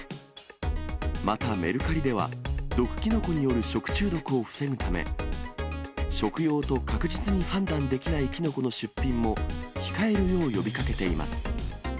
また、メルカリでは毒キノコによる食中毒を防ぐため、食用と確実に判断できないキノコの出品も控えるよう呼びかけています。